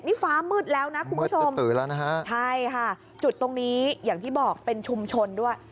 นี่ฟ้ามืดแล้วนะคุณผู้ชมใช่ค่ะจุดตรงนี้เป็นชุมชนด้วย